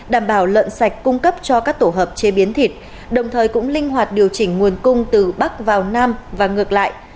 đảm bảo lợn sạch cung cấp cho các tổ hợp chế biến thịt đồng thời cũng linh hoạt điều chỉnh nguồn cung từ bắc vào nam và ngược lại